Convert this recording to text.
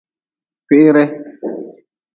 Kwihri.